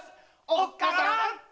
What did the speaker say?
おっかさん！